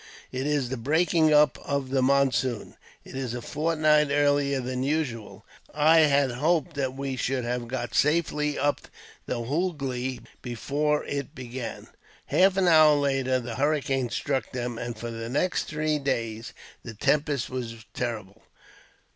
It is the breaking up of the monsoon. It is a fortnight earlier than usual. I had hoped that we should have got safely up the Hoogly before it began." Half an hour later the hurricane struck them, and for the next three days the tempest was terrible.